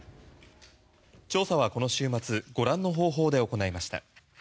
調査はこの週末ご覧の方法で行いました。